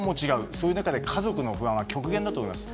そういう中で家族の不安は極限だと思います。